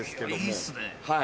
いいっすね。